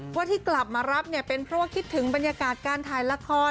ว่าที่กลับมารับเนี่ยเป็นเพราะว่าคิดถึงบรรยากาศการถ่ายละคร